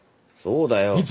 そうだよ。